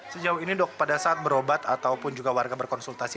sejauh ini dok pada saat berobat ataupun juga warga berkonsultasi